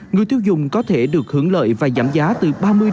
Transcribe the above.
người tiêu dùng có thể được hưởng lợi và giảm giá từ ba mươi bảy mươi